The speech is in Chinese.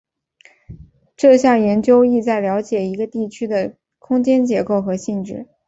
这项研究旨在了解一个地区的空间结构和性质。